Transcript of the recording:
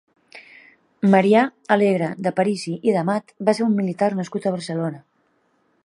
Marià Alegre d'Aparici i d'Amat va ser un militar nascut a Barcelona.